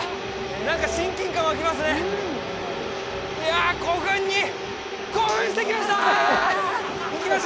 何か親近感湧きますねいやしてきました！